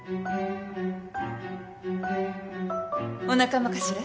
お仲間かしら？